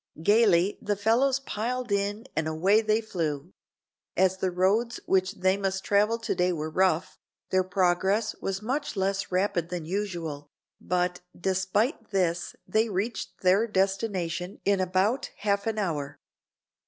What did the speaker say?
Gaily the fellows piled in and away they flew. As the roads which they must travel today were rough, their progress was much less rapid than usual; but, despite this they reached their destination in about half an hour.